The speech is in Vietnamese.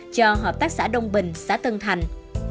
cho hợp tác xã đông bình xã tân thành